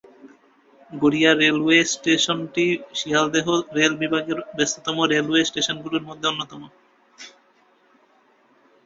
Garia railway স্টেশনটি Sealdah rail বিভাগের ব্যস্ততম রেলওয়ে স্টেশনগুলির মধ্যে অন্যতম।